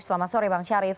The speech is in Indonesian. selamat sore bang syarif